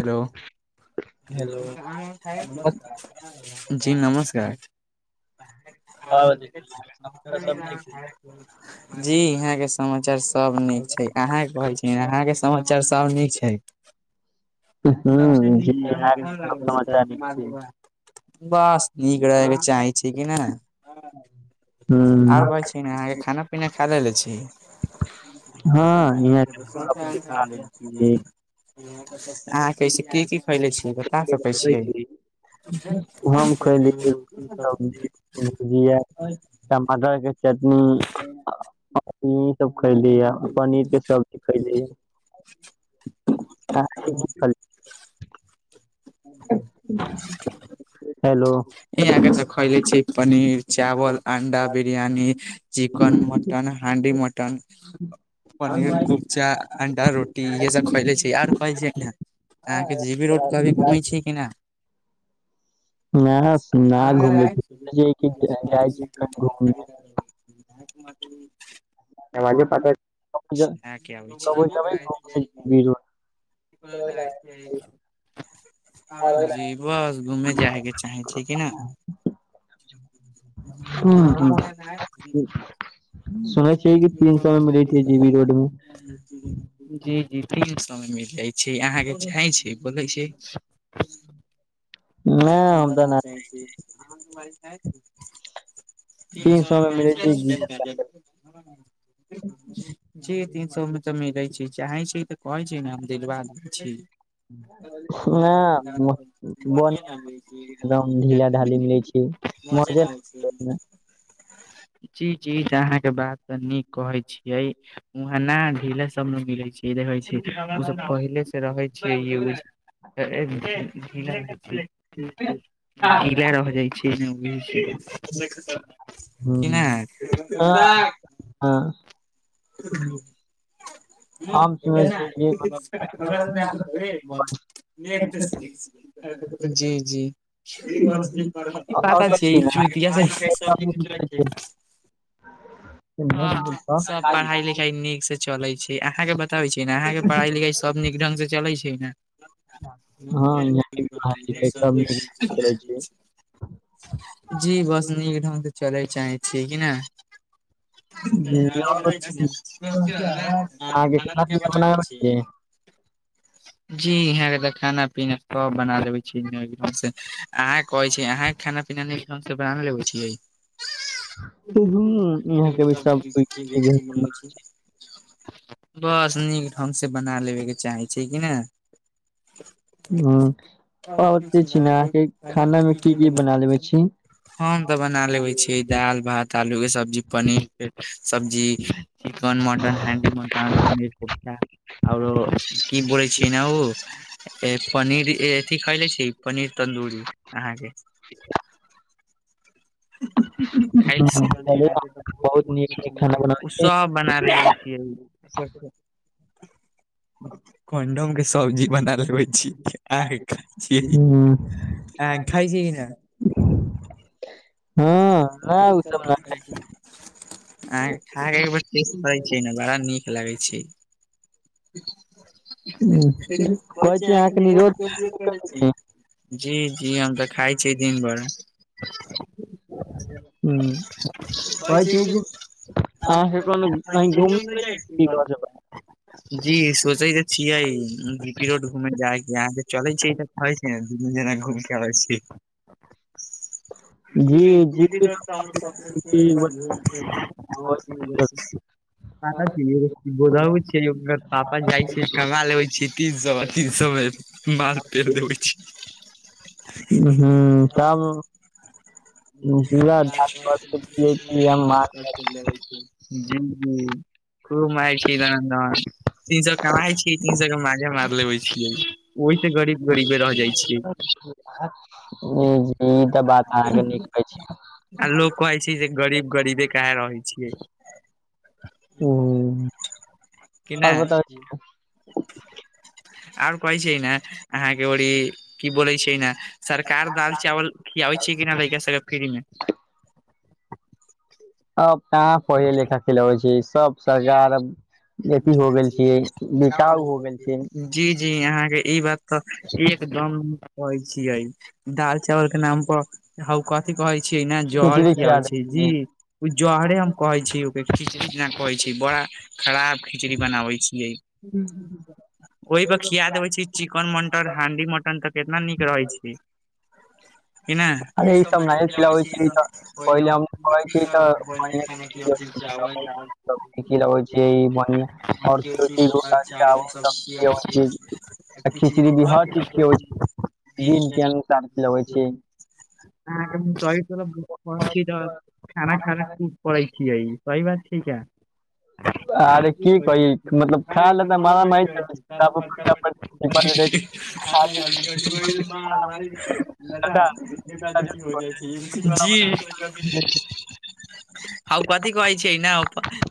Hello जी नमस्कार। [inaudible] जी यहाँ के समाचार सब नीक छैय अहाँ के कहै छी अहाँ के समाचार सब नीक छैय। सब [unintelligible] हुं जी अब समाचार बस नीक रहैके चाहै छैय कि ने। आओर हुं कहै छी ने अहाँके खाना पीना खा ले ने छी। ह हां इहाँ के मतलब परीक्षा छी [unintelligible] अहाँ कैसे की की खैले छियै बता सकै बुझै छियै। छी [unintelligible] हम खैली रोटी सब्जी टमाटर के चटनी [unintelligible] सब खैली य पनीर के सब्जी खैली य ह [unintelligible] हल हैलो इहाँ के तऽ खइले छिये पनीर चावल, अंडा, बिरियानी, चिकन, मटन, हांडी मटन पनीर कुपजा अंडा रोटी इहे सब खैले छिये आर कह छी ना। अहाँके जे बी रोडक अभी घूमै छै कि नय। ना सु ना घूमे छिये [unintelligible] ात [unintelligible] आवाजों पता [unintelligible] कबो ज कबो जेबै घूमे जी बी रोड जी बस घूमे जायके चाही। किना ह ह [unintelligible] सुनै छिए कि तीन सौ मे मिलैत छैैय जी बी रोड मे। जी जी तीन सौ मे मिल जाइ छैय अहाँके चाहैं छै बोलै छै ना हँ हम तऽ बना ना चाहै छीयै अहाँ तारी चै तीन सौ मे मिलै छै छी गीजर [unintelligible] [unintelligible] जी तीन सौ मे तऽ मिलै छैय चाहै छै तऽ कहै छैय न हम दिलवा दैछी। बन ना न [unintelligible] एदम ढीला ढाली मिलै छि मजे [unintelligible] जी जी अहाँके बात तऽ नीक कहै छियै। वहाँ न ढीला सब ने मिलै छैय देखै छियै‌ ओ सब पहिले से रहै। ज [inaudible] [inaudible] कला रहि जाइ हँ हँ [unintelligible] कि नाय हम सुनै छी [inaudible] जी जी पता छै [unintelligible] हँ सब पढ़ाई लिखाइ नीक से चलै छै अहाँके बताबै छीयै ने अहाँके पढ़ाई लिखाई सभ नीक ढंग से चलैत छै ने। हँ यहै [inaudible] [inaudible] जी बस नीक ढंगगसँ चलय चाहै छियै कि नहि। हुॅं अओर अहाँके बताई छी ने आहा के खाना पीना बनाबै छी। जी यहा के त खाना पीना सब बना देे छी एकद से अहाँ कहै छी अहाँ खाना पीना नीक ढंग बना लेबै छियै। ह यहाँके भी सब को [unintelligible] बस नीक ढंग से बना लेबेके चाहै छै कि ने ह पे छी ने अहाँके खाना मे की की बना लेबे छी हम तऽ बना लेबे छी दाल भात आलू के सब्जी पनीर के सब्जी chicken mutton handi mutton paneer कोबटा कआरो की ब छिय न ओ पनीर अथि खैले छी पनीर तन्दूरी अहाँके [unintelligible] अरे बहुत नीक नीक खाना बनाबै ओ छी सब बनाब‌ आइब गेल [unintelligible] कंडम के सब्जी बना लेबे छी आ खाय छियै हँ अहा खाई छीए कि न [inaudible] हँ ह नहि ओ सब कहै छी अहा‌ अहा एबे करै छै ने बड़ा नीक लागे छै नै कहै छी अहा अहाँके निरोध [inaudible] जी जी हम तऽ खाइ छियै दिन भर [unintelligible] हुॅं पहे छिए जे अहा‌के कोनो कहीं घुममने [unintelligible] जेबै जी सोचै त छिय जी पी रोड घूमे जाके यहाँ चलै छै ई त खाइ छै [unintelligible] जना घुम आबै छी बाहर? जी [inaudible] जी पाता छै उराउ छै ओकर पापा जाइ छै गा लेबे छी तीन सए तीन सए मे माल पेड़ देवे छी हुॅं ताम [inaudible] पियै छी हम जालमान माछ। करे जी जी खूब मारै छीये दना दन तीन सए कमाइ छी तीन सए के माँजे मार लेबे छियै ओहिसँ गरीब गरीबे रह जाइ छियै ई त बात अहाँके नीक कहै छी लोग कहै छै जे गरीब गरीबे कहाहे रहै छियै हूँ कि आओर नहि बताबै छी आओर कहै छै ने अहाँके ओरी की बोलै छै ने सरकार दाल चावल खिआबै छै कि नहि लड़का सब के फ्रीज मे अब कहाँ पहले लेखा खीलबे छिये सब सरकार अब अथी हो गेल छ बिकाउ हो गेल छै जी जी अहाँ के ई बात तऽ एकदम कहै छियै दाल चावल के नाम प कथि कहे छीये ना जहर खिचड़ी खिया खियाल छै जी देलखिन ओ जहरे हम कहे छी ओकर खिचड़ी कहै बड़ा खराब खिचड़ी बनाबै छियै ओहि पर खिया देब चिकन मटन हांडी मटन तऽ केितना नीक रहे छै क नहि ई अरे सब नहि खबै खिलाबै छियै तऽ पहिले हम कहै छियै तऽ [unintelligible] [unintelligible] र चावल दाल [unintelligible] सबी की छै ई बढ़आ आओर की होइ छै रोटा चावल सबी छै खिचड़ी भी हर चीज खियै छै दिन के अनुसार खिलबै छीये [unintelligible] ह तइ त त खाना खाना खू पढ़ै छिये सही बात छीये आरे की कह मतलब खाय ले त म [inaudible] खी क लता [unintelligible] ज जी हो जाइ [inaudible] आउ कथी कहै छै न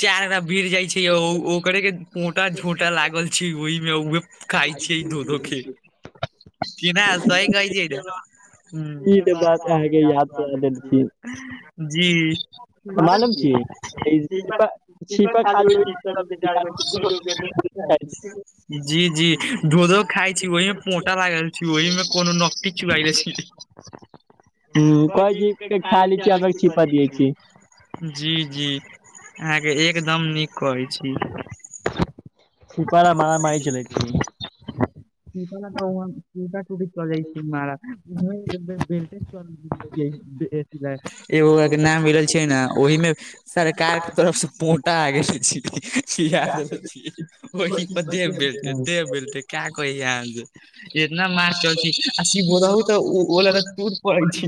चार अना भिड़ जाइ छै य ओ ओकरे के मोटा झोटा लागल छै ओहिमे उ खाइ छै धोधो के कि न सही कहै छिये ने ह बात अहाँके याद सुना देल जी [inaudible] बार क मालूम [inaudible] छी ई दीप छिपा दीपा छिपा खा खाली होइ लेबै छी [inaudible] जी धो धो खाइ छी ओहिमे पोटा लागल छी ओहिमे कोनो नकटी चुबइले छी हु कहे छीये खाली लै छी छिपा दिय छी जी जी अहके एकदम नीक कहै छी सीपड़ा मार मारी चल छै हँ [inaudible] क तऽटी चल जाइ छै मारा [unintelligible] [inaudible] एगो के नाम मिलल छै ने ओहिमे कार के तरफ से पोटा आ गेल छ ओहि पर दे नहि बेलते दे बेलते क्य को य [unintelligible] इतना मार चल छी आ सी रहू तऽ ओ ल तऽ टूट पड़ै छै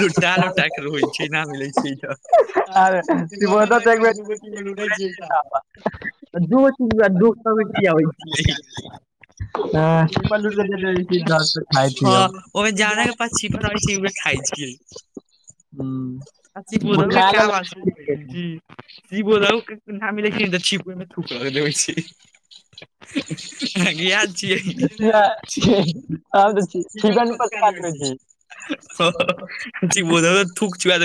लोटा लोटा के रहो छै न मिलै छै ई त आ देख [unintelligible] [unintelligible] [unintelligible] [inaudible] हँ ओहिमे जादा केँ पास छिये रहे छै खाइ छिये आ सी बोधबके [unintelligible] जी जी बोल नामी लखिन तऽ छिपे मे थु कर देबै छी [unintelligible] [unintelligible] [unintelligible] थूक चुआ द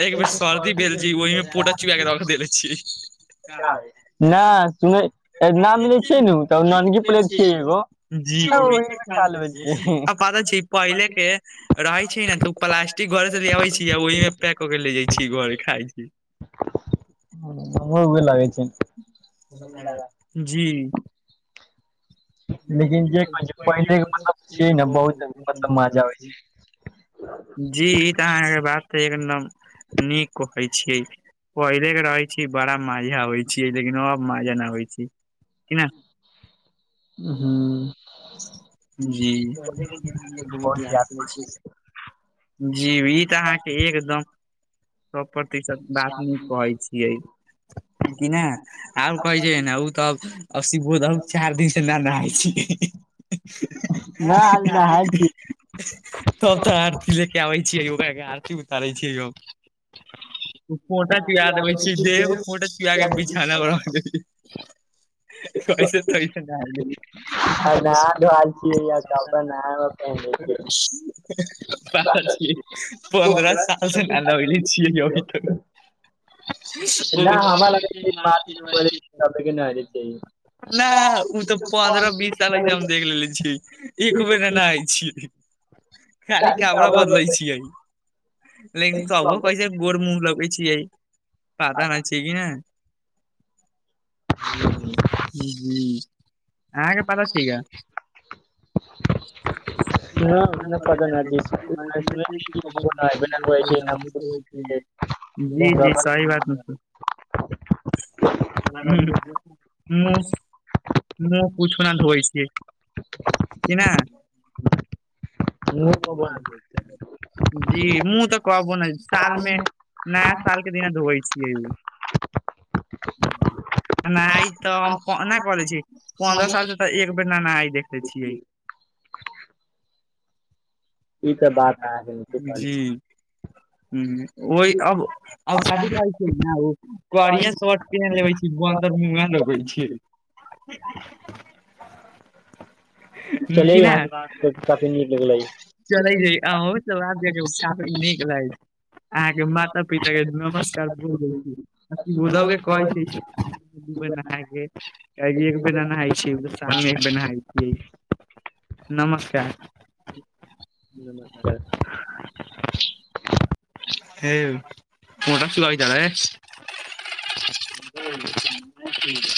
एक बेर सर्दी देल छी ओहिमे पोटा चुऐ कऽ रख देले छी ना सुनै नऽ मिलै छिये नु तब नानगी प्लेट छियै एगो। जी ओहिमे खा लेबै छियै। आ पता छै पहिले केँ रहै छै न तऽ उ प्लास्टिक घरे से ले आबे छी आ ओहि मे पैक कऽ के ले जाय छी घरे खाय छी हमरो उहे लागै छै [unintelligible] जी लेकिन जे कहै छै पहिले केँ मतलब छिये नऽ बहुत मतलब मजा आबै छै। जी ई तऽ अहाँके बात त एकदम नीक कहै छियै। पहिले केँ रहै छी बड़ा मजा अबै छिये लेकिन अब मजा न आबै छै कि न। [inaudible] हुँ जी [unintelligible] बहुत याद करने छियै जी ई तऽ अहाँकेँ एकदम सौ प्रतिशत बात नीक कहै छियै कि नऽ आओर कहै छै न उ तऽ अब सी बो धर चारि दिन नऽ नहाई छी [unintelligible] ए नहि हम आज नहाई नहाय छी तब तऽ आरती ले केँ आबै छियै रोआ कऽ आरती उतारे छियै अब फोटा चुआ देबै छी देह पर पोटा चुआ केँ बिछौना पर रख दे [unintelligible] आइ नहा धोआइ छियै या कपड़ा नया नया पहिनलै छियै पन्द्रह सालसँ ना नहलै छियै अभि तक [inaudible] न हमरा लगै छै बात सबके [unintelligible] न होयके नइ उ तऽ पन्द्रह बीस साल सँ हम देख लेेले छियै एक बेर नय नहइले छियै खाली काबड़ा बदलै छियै लेकिन तबो कैसे गोर मु ँह लगै छियै पाता नहि छै कि नहि हुँ चाही जी अहाँकेँ पाता छै का न न पता न छै [unintelligible] जी जी सही बात न छै उहु मुस मुँह कुछु न धोवै छीयै कि ना [unintelligible] जी मुँह तऽ कबौ ने सालमे नया साल केँ दिना धोवै छियै उ नहै तऽ हम कऽ नऽ कहलै छियै पद्रह साल से तऽ एक बेर नऽ नहाइ देखले छियै ई तऽ बात अहाँके नीके [unintelligible] कहलियै जी हुँ ओय अब अब शादि छिये न उ करिया सोट केदैत लगे छी बन्दर मुहाँ लगै छियै [inaudible] [unintelligible] नीक चलियै लागै अहाँ काफी नीक लगलै छै, अहाँके माता पिता के नमस्कार बोल दै छी। [unintelligible] खुबे नहाइ के एक दिना नहाइ छियै के साल मे एक बेर नहाइ छियै। नमस्कार नमस्कार [inaudible] फेर [unintelligible] [inaudible]